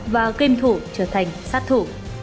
và game thủ trở thành sát thủ